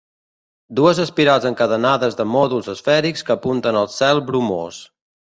Dues espirals encadenades de mòduls esfèrics que apunten al cel bromós.